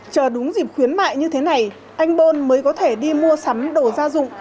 chờ đúng dịp khuyến mại như thế này anh bơn mới có thể đi mua sắm đồ gia dụng